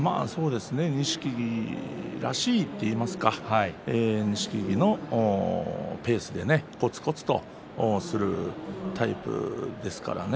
錦木らしいといいますか錦木のペースでねこつこつとするタイプですからね。